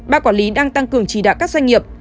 bác quản lý đang tăng cường trì đạo các doanh nghiệp